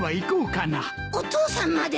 お父さんまで！？